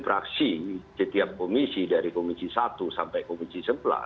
praksi setiap komisi dari komisi satu sampai komisi sebelas